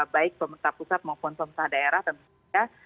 baik pemerintah pusat maupun pemerintah daerah tentunya